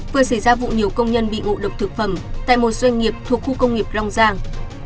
vừa xảy ra vụ nhiều công nhân bị ngộ độc thực phẩm tại một doanh nghiệp thuộc khu công nghiệp long giang